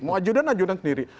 mau ajudan ajudan sendiri